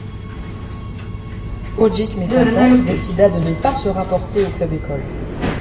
Odjick mécontent, décida de ne pas se rapporter au club-école.